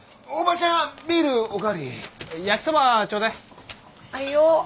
はいよ！